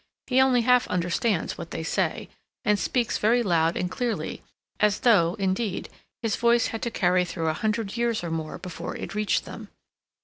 He only half understands what they say, and speaks very loud and clearly, as though, indeed, his voice had to carry through a hundred years or more before it reached them.